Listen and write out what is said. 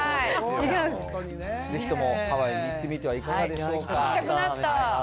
ぜひとも、ハワイ行ってみてはいかがでしょうか。